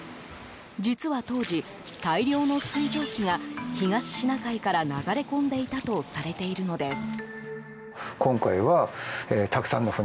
実は当時、大量の水蒸気が東シナ海から流れ込んでいたとされているのです。